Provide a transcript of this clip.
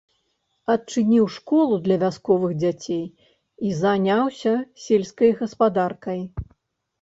Адчыніў школу для вясковых дзяцей і заняўся сельскай гаспадаркай.